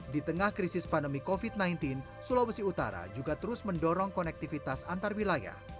di tengah krisis pandemi covid sembilan belas sulawesi utara juga terus mendorong konektivitas antarwilayah